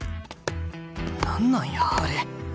何なんやあれ。